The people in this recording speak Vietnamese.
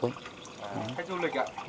khách du lịch ạ